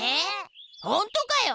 ほんとかよ！